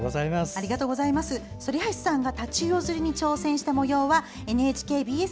反橋さんがタチウオ釣りに挑戦したもようはＮＨＫＢＳ